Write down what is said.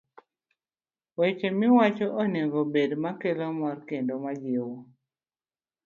Weche miwacho onego obed makelo mor kendo majiwo